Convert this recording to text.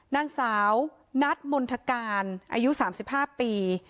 นางสาวนัทมณฑการอายุ๓๕ปี